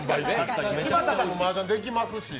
柴田さん、マージャンできますし。